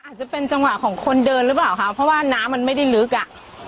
อาจจะเป็นจังหวะของคนเดินหรือเปล่าคะเพราะว่าน้ำมันไม่ได้ลึกอ่ะ